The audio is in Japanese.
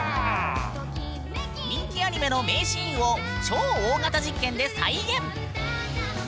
人気アニメの名シーンを超大型実験で再現！